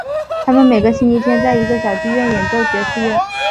他们每个星期天在一个小剧院演奏爵士乐。